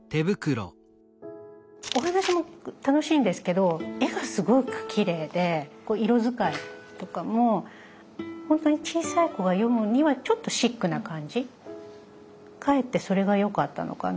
お話も楽しいんですけど絵がすごくきれいで色使いとかもほんとに小さい子が読むにはちょっとシックな感じかえってそれがよかったのかな